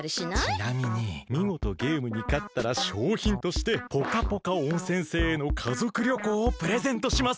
ちなみにみごとゲームにかったらしょうひんとしてポカポカ温泉星への家族旅行をプレゼントします。